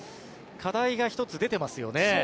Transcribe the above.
課題が１つ出てますよね。